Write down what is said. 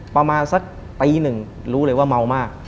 ประมาณสักตีหนึ่งรู้เลยว่าเมามาก